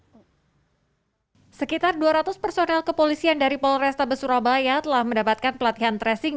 hai sekitar dua ratus personel kepolisian dari polresta besurabaya telah mendapatkan pelatihan tracing